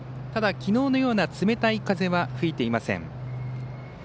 ただ、きのうのような冷たい風は吹いていません。